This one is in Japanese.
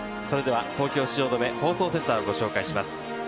それでは東京・汐留、放送センターをご紹介します。